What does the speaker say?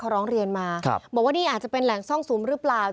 เขาร้องเรียนมาบอกว่านี่อาจจะเป็นแหล่งซ่องสุมหรือเปล่า